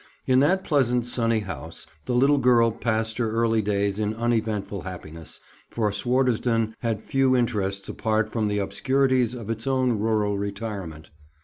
In that pleasant sunny house the little girl passed her early days in uneventful happiness, for Swardeston had few interests apart from the obscurities of its own rural retirement.